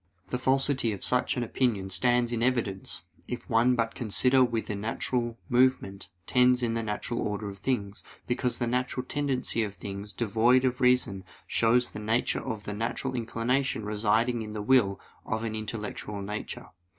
The falsity of such an opinion stands in evidence, if one but consider whither natural movement tends in the natural order of things; because the natural tendency of things devoid of reason shows the nature of the natural inclination residing in the will of an intellectual nature.